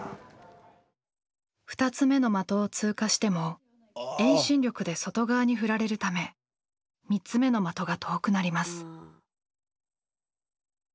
２つ目の的を通過しても遠心力で外側に振られるため３つ目の的が遠くなります。